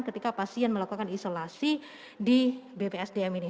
ketika pasien melakukan isolasi di bpsdm ini